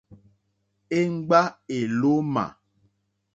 Éŋɡbá èlómà.